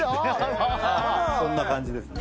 そんな感じですね。